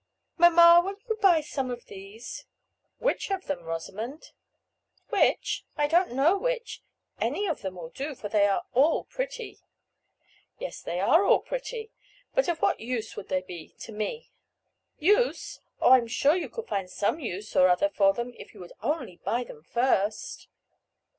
"Mamma, will you buy some of these?" "Which of them, Rosamond?" "Which? I don't know which; any of them will do, for they are all pretty." "Yes, they are all pretty; but of what use would they be to me?" "Use! Oh, I am sure you could find some use or other for them if you would only buy them first."